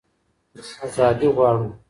ازادي غواړو.